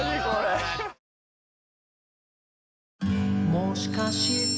「もしかして」